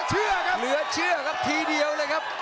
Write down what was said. เหลือเชื่อครับทีเดียวเลยครับ